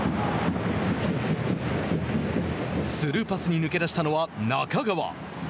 スルーパスに抜け出したのは仲川。